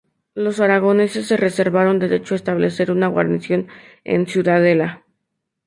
Los aragoneses se reservaron derecho a establecer una guarnición en Ciudadela.